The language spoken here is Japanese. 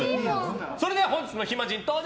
それでは本日の暇人、登場！